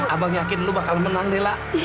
abang yakin lu bakal menang della